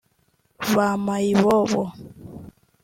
ba mayibobo